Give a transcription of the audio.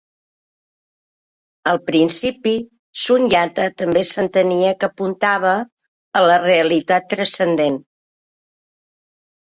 Al principi, Sunyata també s'entenia que apuntava a la realitat transcendent.